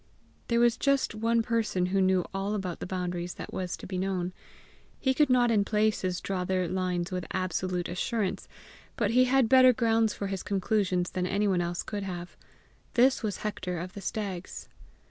There was just one person who knew all about the boundaries that was to be known; he could not in places draw their lines with absolute assurance, but he had better grounds for his conclusions than anyone else could have; this was Hector of the Stags.